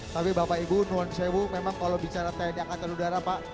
tapi bapak ibu nuan sewu memang kalau bicara tni angkatan udara pak